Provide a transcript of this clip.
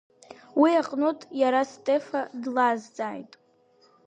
Уи аҟнытә иара Стефа длазҵааит…